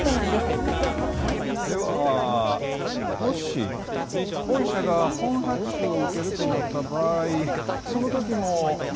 ではもし御社が本発注を受けるとなった場合その時も他社に協力を求めると？